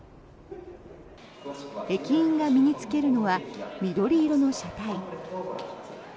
駅員が身に着けるのは緑色の車体。